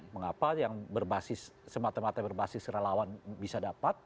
mengapa yang berbasis semata mata berbasis relawan bisa dapat